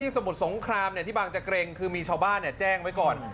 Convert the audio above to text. ที่สมุทรสงครามเนี่ยที่บางจะเกรงคือมีชาวบ้านเนี่ยแจ้งไว้ก่อน